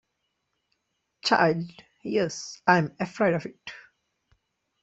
Child, yes, I’m afraid of it.